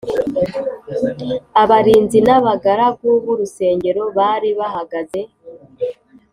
Abarinzi n’abagaragu b’urusengero bari bahagaze